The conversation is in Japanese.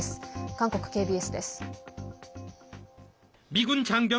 韓国ＫＢＳです。